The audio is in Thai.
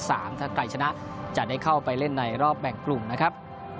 ถ้าใครชนะจะได้เข้าไปเล่นในรอบแบ่งกลุ่มนะครับ